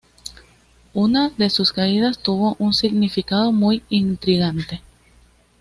Una de sus caídas tuvo un significado muy intrigante.